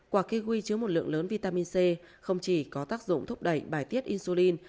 quả kiwi chứa một lượng lớn vitamin c không chỉ có tác dụng thúc đẩy bài tiết insulin